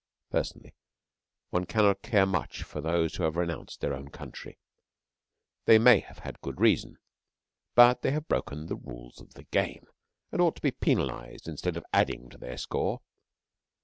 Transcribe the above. Personally, one cannot care much for those who have renounced their own country. They may have had good reason, but they have broken the rules of the game, and ought to be penalised instead of adding to their score.